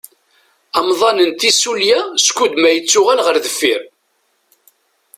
Amḍan n tissulya skudmal yettuɣal ɣer deffir.